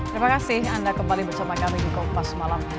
terima kasih anda kembali bersama kami di kompas semalam